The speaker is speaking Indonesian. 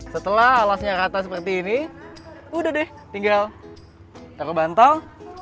setelah alasnya rata seperti ini udah deh tinggal taruh bantal